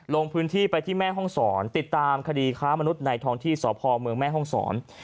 ลงพื้นที่ไปที่แม่ห้องศรติดตามคดีค้ามนุษย์ในท้องที่สพเมืองแม่ห้องศร